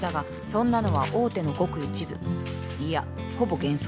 そんなのは大手のごく一部いやほぼ幻想だ